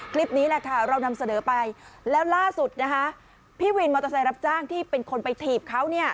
คลิปนี้แหละค่ะเรานำเสนอไปแล้วล่าสุดนะคะพี่วินมอเตอร์ไซค์รับจ้างที่เป็นคนไปถีบเขาเนี่ย